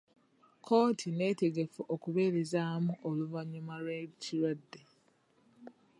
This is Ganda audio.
Kkooti neetegefu okubeerezaamu oluvannyuma lw'ekirwadde.